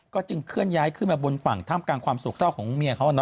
ก็จึงเคลื่อนย้ายขึ้นมาบนฝั่งท่ามกลางความโศกเศร้าของเมียเขา